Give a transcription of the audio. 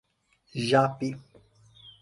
Japi